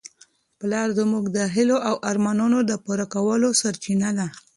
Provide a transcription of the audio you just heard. پلار زموږ د هیلو او ارمانونو د پوره کولو سرچینه ده.